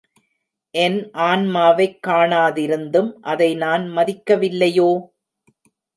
என் ஆன்மாவைக் காணாதிருந்தும் அதை நான் மதிக்கவில்லையோ?